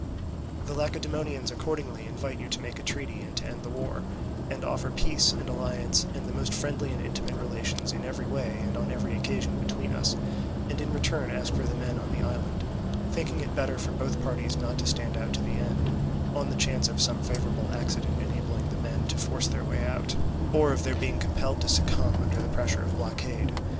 "The Lacedaemonians accordingly invite you to make a treaty and to end the war, and offer peace and alliance and the most friendly and intimate relations in every way and on every occasion between us; and in return ask for the men on the island, thinking it better for both parties not to stand out to the end, on the chance of some favourable accident enabling the men to force their way out, or of their being compelled to succumb under the pressure of blockade.